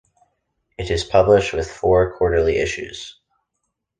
It is published in four quarterly issues.